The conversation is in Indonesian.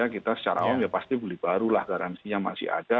kalau kita secara awam ya pasti beli baru lah garansinya masih ada